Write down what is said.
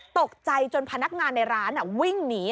ตกใจจนพนักงานในร้านวิ่งหนี